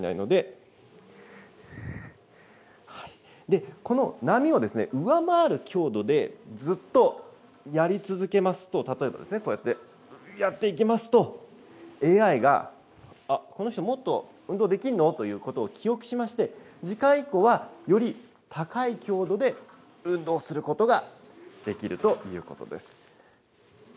で、この波をですね、上回る強度で、ずっとやり続けますと、例えばですね、こうやってやっていきますと、ＡＩがあっ、この人、もっと運動できんの？ということを記憶しまして、次回以降は、より高い強度で運動することができるということです。